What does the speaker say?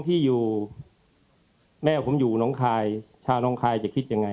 ที่อยู่แม่ผมอยู่ชาวน้องทายจะคิดยังไง